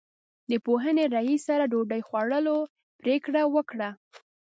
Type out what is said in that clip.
د پوهنې رئیس سره ډوډۍ خوړلو پرېکړه وکړه.